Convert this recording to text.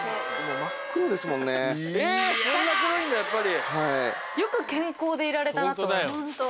えっそんな黒いんだやっぱり。